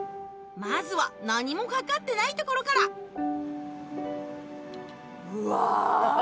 まずは何もかかってないところからうわ！